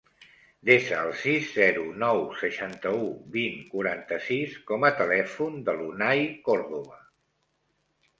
Desa el sis, zero, nou, seixanta-u, vint, quaranta-sis com a telèfon de l'Unai Cordova.